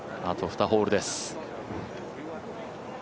あと２ホールです。